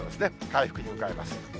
回復に向かいます。